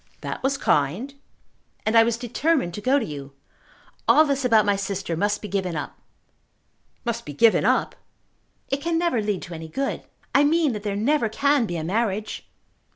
"That was kind." "And I was determined to go to you. All this about my sister must be given up." "Must be given up?" "It can never lead to any good. I mean that there never can be a marriage."